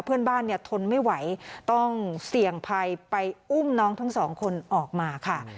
เพื่อนบ้านเนี่ยทนไม่ไหวต้องเสี่ยงภัยไปอุ้มน้องทั้งสองคนออกมาค่ะ